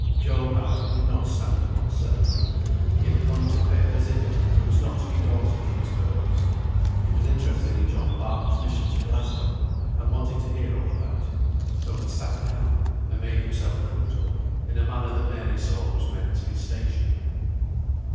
Job, however, did not stand upon ceremony. He had come to pay a visit, and was not to be daunted from his purpose. He was interested in John Barton's mission to Glasgow, and wanted to hear all about it; so he sat down, and made himself comfortable, in a manner that Mary saw was meant to be stationary.